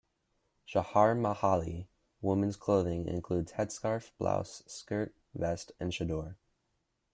Chaharmahali women's clothing includes head scarf, blouse, skirt, vest and Chador.